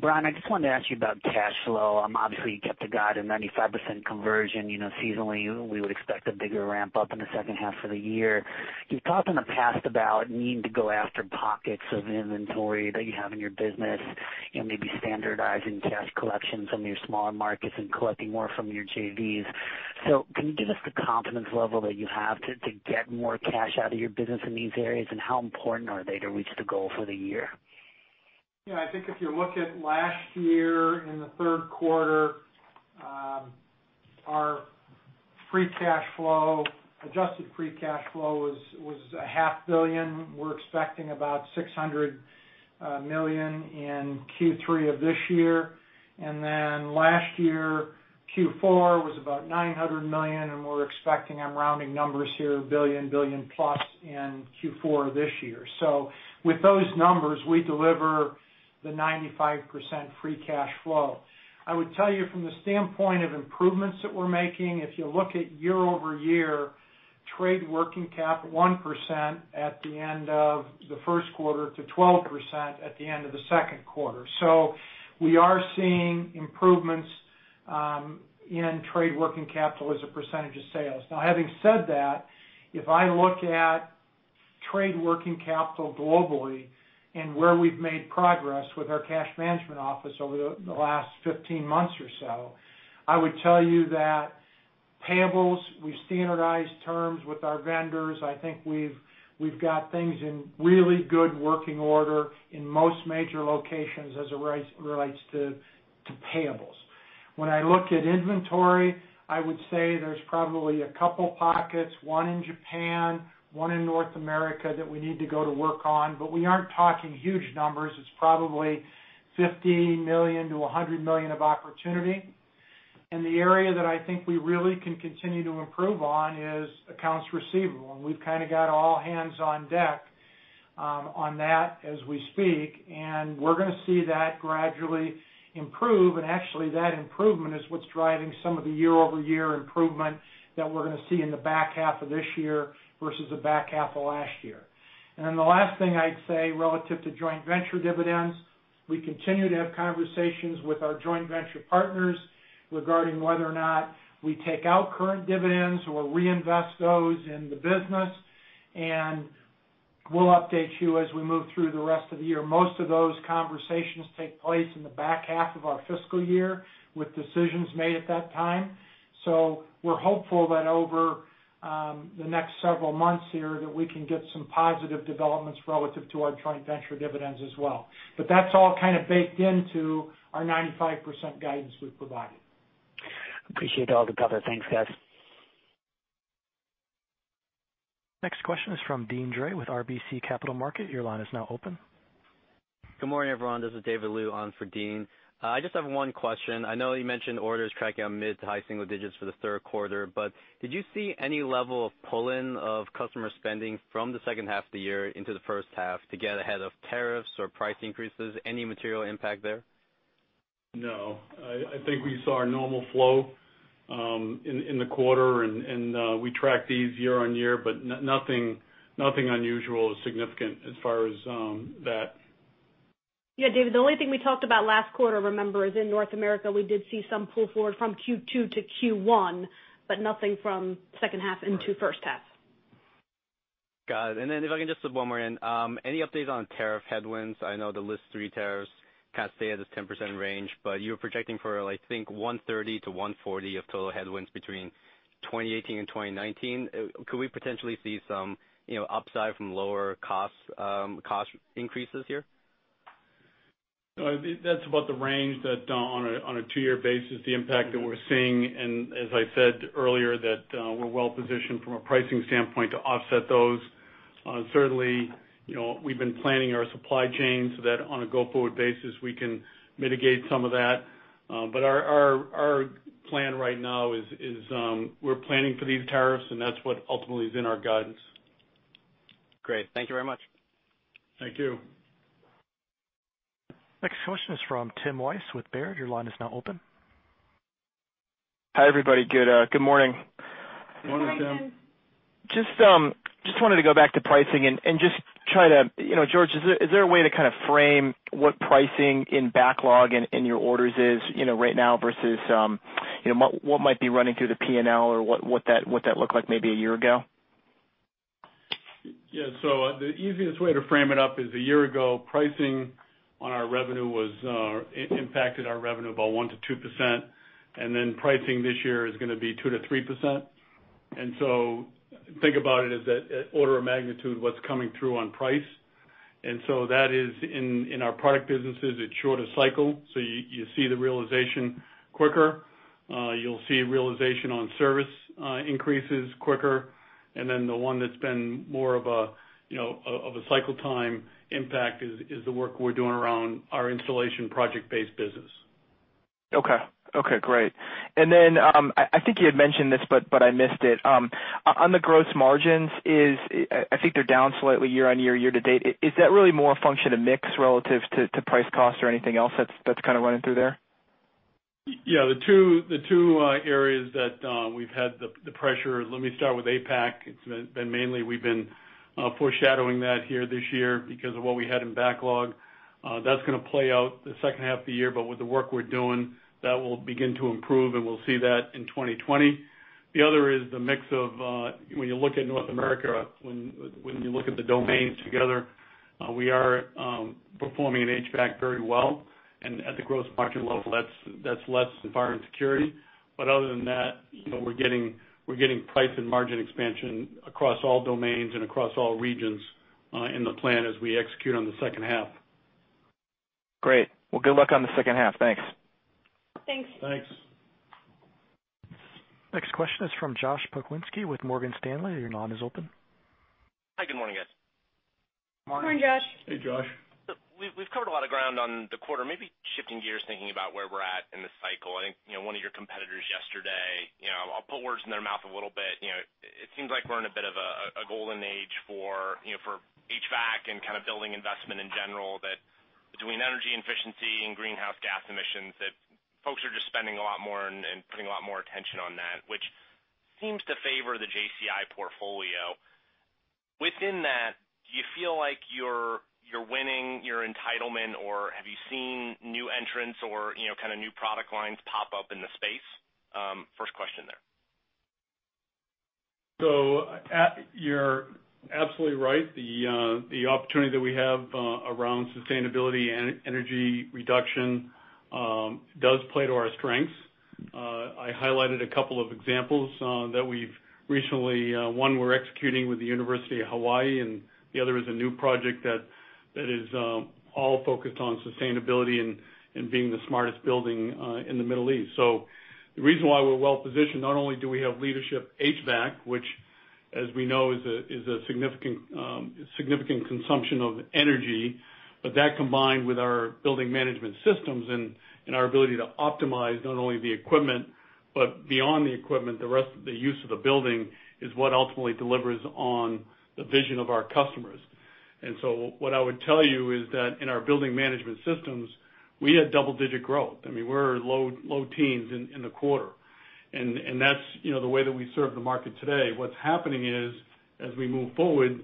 Brian, I just wanted to ask you about cash flow. Obviously, you kept the guide at 95% conversion. Seasonally, we would expect a bigger ramp-up in the second half of the year. You've talked in the past about needing to go after pockets of inventory that you have in your business, maybe standardizing cash collections from your smaller markets and collecting more from your JVs. Can you give us the confidence level that you have to get more cash out of your business in these areas? How important are they to reach the goal for the year? Yeah. I think if you look at last year in the third quarter, our adjusted free cash flow was a half billion. We're expecting about $600 million in Q3 of this year. Last year, Q4 was about $900 million, and we're expecting, I'm rounding numbers here, a billion plus in Q4 this year. With those numbers, we deliver the 95% free cash flow. I would tell you from the standpoint of improvements that we're making, if you look at year-over-year, trade working cap 1% at the end of the first quarter to 12% at the end of the second quarter. We are seeing improvements in trade working capital as a percentage of sales. Now, having said that, if I look at- Trade working capital globally and where we've made progress with our cash management office over the last 15 months or so. I would tell you that payables, we've standardized terms with our vendors. I think we've got things in really good working order in most major locations as it relates to payables. When I look at inventory, I would say there's probably a couple pockets, one in Japan, one in North America, that we need to go to work on, but we aren't talking huge numbers. It's probably $50 million-$100 million of opportunity. The area that I think we really can continue to improve on is accounts receivable. We've kind of got all hands on deck on that as we speak, and we're going to see that gradually improve. That improvement is what's driving some of the year-over-year improvement that we're going to see in the back half of this year versus the back half of last year. The last thing I'd say, relative to joint venture dividends, we continue to have conversations with our joint venture partners regarding whether or not we take out current dividends or reinvest those in the business. We'll update you as we move through the rest of the year. Most of those conversations take place in the back half of our fiscal year, with decisions made at that time. We're hopeful that over the next several months here, that we can get some positive developments relative to our joint venture dividends as well. That's all kind of baked into our 95% guidance we've provided. Appreciate all the color. Thanks, guys. Next question is from Deane Dray with RBC Capital Markets. Your line is now open. Good morning, everyone. This is David Lu on for Deane. I just have one question. I know that you mentioned orders tracking on mid to high single digits for the third quarter. Did you see any level of pull-in of customer spending from the second half of the year into the first half to get ahead of tariffs or price increases? Any material impact there? No. I think we saw a normal flow in the quarter. We track these year-on-year, nothing unusual or significant as far as that. Yeah, David, the only thing we talked about last quarter, remember, is in North America, we did see some pull forward from Q2 to Q1. Nothing from second half into first half. Got it. If I can just slip one more in. Any updates on tariff headwinds? I know the List 3 tariffs kind of stay at this 10% range, but you're projecting for I think $130-$140 of total headwinds between 2018 and 2019. Could we potentially see some upside from lower cost increases here? No. That's about the range that on a two-year basis, the impact that we're seeing, and as I said earlier, that we're well-positioned from a pricing standpoint to offset those. Certainly, we've been planning our supply chain so that on a go-forward basis, we can mitigate some of that. Our plan right now is we're planning for these tariffs, and that's what ultimately is in our guidance. Great. Thank you very much. Thank you. Next question is from Timothy Wojs with Baird. Your line is now open. Hi, everybody. Good morning. Morning, Tim. Good morning. Just wanted to go back to pricing and just try to, George, is there a way to kind of frame what pricing in backlog in your orders is right now versus what might be running through the P&L or what that looked like maybe a year ago? The easiest way to frame it up is a year ago, pricing impacted our revenue by 1%-2%, pricing this year is going to be 2%-3%. Think about it as that order of magnitude what's coming through on price. That is in our product businesses, it's shorter cycle. You see the realization quicker. You'll see realization on service increases quicker. The one that's been more of a cycle time impact is the work we're doing around our installation project-based business. Okay. Great. I think you had mentioned this, but I missed it. On the gross margins, I think they're down slightly year-on-year, year-to-date. Is that really more a function of mix relative to price cost or anything else that's kind of running through there? The two areas that we've had the pressure, let me start with APAC. It's been mainly we've been foreshadowing that here this year because of what we had in backlog. That's going to play out the second half of the year, but with the work we're doing, that will begin to improve, and we'll see that in 2020. The other is the mix of when you look at North America, when you look at the domains together, we are performing in HVAC very well. At the gross margin level, that's less than fire and security. Other than that, we're getting price and margin expansion across all domains and across all regions in the plan as we execute on the second half. Great. Well, good luck on the second half. Thanks. Thanks. Thanks. Next question is from Josh Pokrzywinski with Morgan Stanley. Your line is open. Hi, good morning, guys. Morning, Josh. Hey, Josh. We've covered a lot of ground on the quarter. Maybe shifting gears, thinking about where we're at in this cycle. I think one of your competitors yesterday, I'll put words in their mouth a little bit. It seems like we're in a bit of a golden age for HVAC and kind of building investment in general. That between energy efficiency and greenhouse gas emissions, that folks are just spending a lot more and putting a lot more attention on that, which seems to favor the JCI portfolio. Within that, do you feel like you're winning your entitlement, or have you seen new entrants or kind of new product lines pop up in the space? First question there. You're absolutely right. The opportunity that we have around sustainability and energy reduction does play to our strengths. I highlighted a couple of examples that we've recently-- one we're executing with the University of Hawaiʻi, and the other is a new project that is all focused on sustainability and being the smartest building in the Middle East. The reason why we're well-positioned, not only do we have leadership HVAC, which, as we know, is a significant consumption of energy. That combined with our building management systems and our ability to optimize not only the equipment but beyond the equipment, the use of the building, is what ultimately delivers on the vision of our customers. What I would tell you is that in our building management systems, we had double-digit growth. We're low teens in the quarter. That's the way that we serve the market today. What's happening is, as we move forward,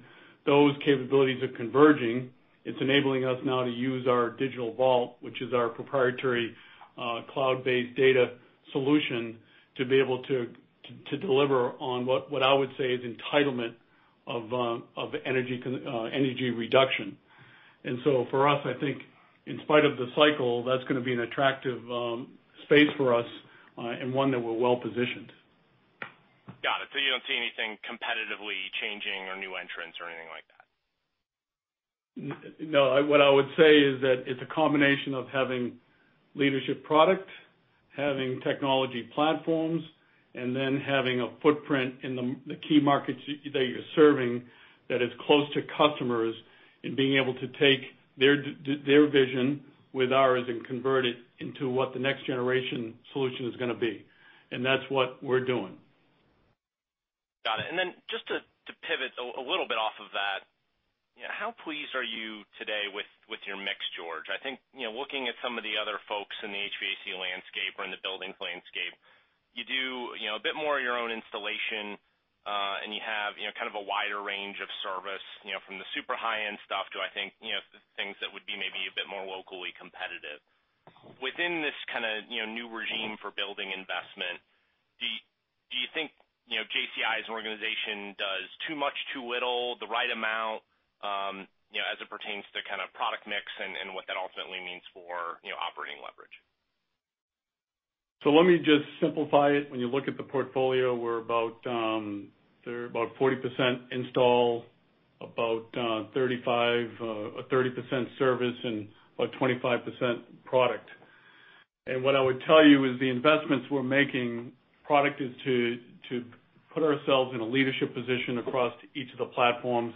those capabilities are converging. It's enabling us now to use our Digital Vault, which is our proprietary cloud-based data solution, to be able to deliver on what I would say is entitlement of energy reduction. For us, I think in spite of the cycle, that's going to be an attractive space for us, and one that we're well-positioned. Got it. You don't see anything competitively changing or new entrants or anything like that? No. What I would say is that it's a combination of having leadership product, having technology platforms, and then having a footprint in the key markets that you're serving that is close to customers and being able to take their vision with ours and convert it into what the next generation solution is going to be. That's what we're doing. Got it. Just to pivot a little bit off of that, how pleased are you today with your mix, George? I think, looking at some of the other folks in the HVAC landscape or in the buildings landscape, you do a bit more of your own installation, and you have kind of a wider range of service, from the super high-end stuff to, I think, things that would be maybe a bit more locally competitive. Within this kind of new regime for building investment, do you think JCI as an organization does too much, too little, the right amount, as it pertains to kind of product mix and what that ultimately means for operating leverage? Let me just simplify it. When you look at the portfolio, we're about 40% install, about 30% service, and about 25% product. What I would tell you is the investments we're making, product is to put ourselves in a leadership position across each of the platforms.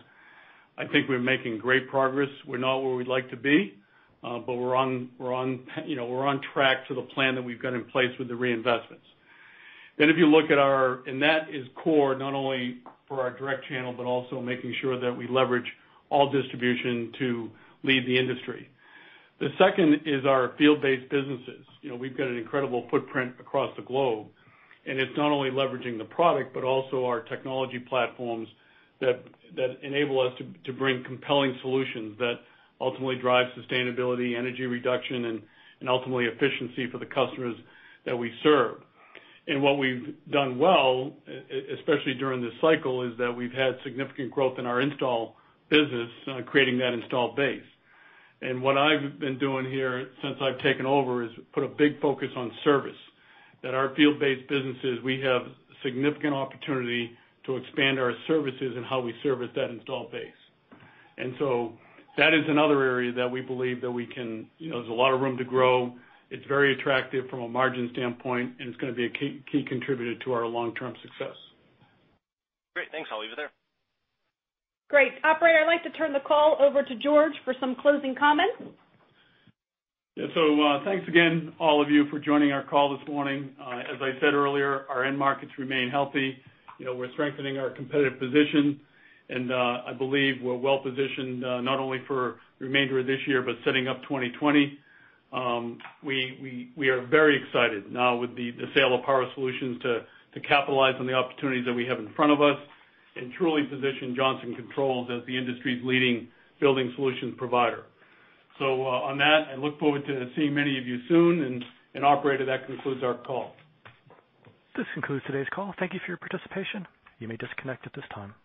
I think we're making great progress. We're not where we'd like to be, but we're on track to the plan that we've got in place with the reinvestments. That is core not only for our direct channel, but also making sure that we leverage all distribution to lead the industry. The second is our field-based businesses. We've got an incredible footprint across the globe, and it's not only leveraging the product, but also our technology platforms that enable us to bring compelling solutions that ultimately drive sustainability, energy reduction, and ultimately efficiency for the customers that we serve. What we've done well, especially during this cycle, is that we've had significant growth in our install business, creating that install base. What I've been doing here since I've taken over is put a big focus on service, that our field-based businesses, we have significant opportunity to expand our services and how we service that install base. That is another area that we believe that there's a lot of room to grow. It's very attractive from a margin standpoint, and it's going to be a key contributor to our long-term success. Great. Thanks. I'll leave it there. Great. Operator, I'd like to turn the call over to George for some closing comments. Thanks again, all of you, for joining our call this morning. As I said earlier, our end markets remain healthy. We're strengthening our competitive position, and I believe we're well-positioned not only for the remainder of this year, but setting up 2020. We are very excited now with the sale of Power Solutions to capitalize on the opportunities that we have in front of us and truly position Johnson Controls as the industry's leading building solutions provider. On that, I look forward to seeing many of you soon. Operator, that concludes our call. This concludes today's call. Thank you for your participation. You may disconnect at this time.